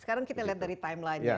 sekarang kita lihat dari timelinenya